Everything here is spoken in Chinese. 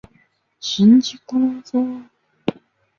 圣乔治德吕藏松。